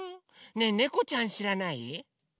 ねえねこちゃんしらない？